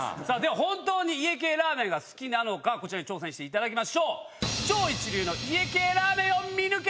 本当に家系ラーメンが好きなのか挑戦していただきましょう。